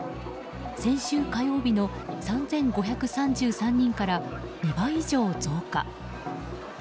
先週火曜日の３５３３人から２倍以上増加。